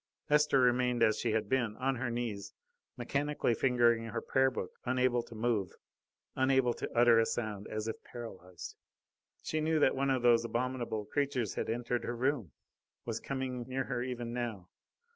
Esther remained as she had been, on her knees, mechanically fingering her prayer book, unable to move, unable to utter a sound, as if paralysed. She knew that one of those abominable creatures had entered her room, was coming near her even now.